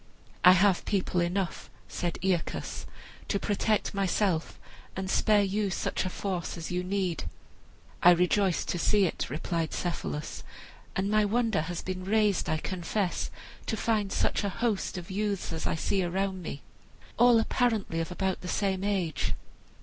"I have people enough," said Aeacus, "to protect myself and spare you such a force as you need." "I rejoice to see it," replied Cephalus, "and my wonder has been raised, I confess, to find such a host of youths as I see around me, all apparently of about the same age.